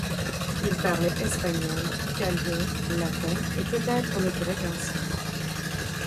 Il parlait espagnol, italien, latin et peut être le grec ancien.